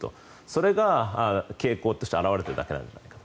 それが傾向として表れているだけではないかと。